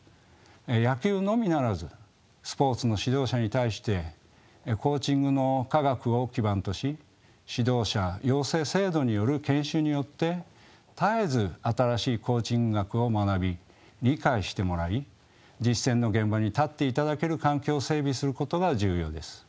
野球のみならずスポーツの指導者に対してコーチングの科学を基盤とし指導者養成制度による研修によって絶えず新しいコーチング学を学び理解してもらい実践の現場に立っていただける環境を整備することが重要です。